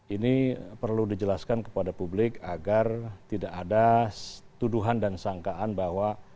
ini perlu dijelaskan kepada publik agar tidak ada tuduhan dan sangkaan bahwa